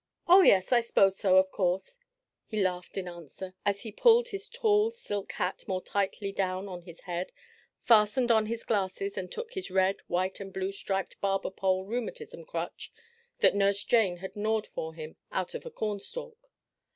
"Oh, yes, I s'pose so, of course," he laughed in answer, as he pulled his tall silk hat more tightly down on his head, fastened on his glasses and took his red, white and blue striped barber pole rheumatism crutch that Nurse Jane had gnawed for him out of a cornstalk.